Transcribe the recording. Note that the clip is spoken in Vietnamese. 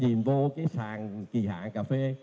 nhìn vào cái sàn kỳ hạ cà phê